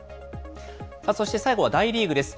そして最後は大リーグです。